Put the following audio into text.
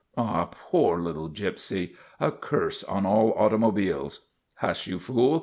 Ah, poor little Gypsy! A curse on all automobiles! Hush, you fool!